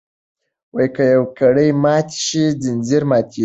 که یوه کړۍ ماته شي ځنځیر ماتیږي.